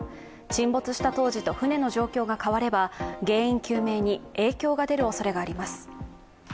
沈没した当時と船の状況が変われば原因究明に影響が出るおそれがあります。